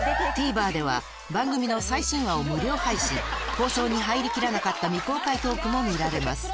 ＴＶｅｒでは番組の最新話を無料配信放送に入りきらなかった未公開トークも見られます